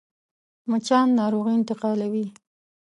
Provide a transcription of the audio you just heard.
مچان ناروغي انتقالوي